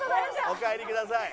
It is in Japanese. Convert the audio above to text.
お帰りください。